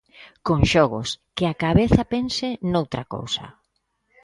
Con xogos, que a cabeza pense noutra cousa.